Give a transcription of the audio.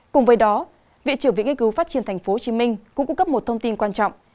cùng với đó viện trưởng viện nghiên cứu phát triển tp hcm cũng cung cấp một thông tin quan trọng